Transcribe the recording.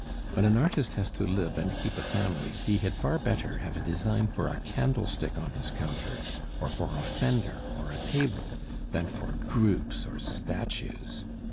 When an artist has to live and keep a family, he had far better have a design for a candlestick on his counter, or for a fender or a table, than for groups or statues.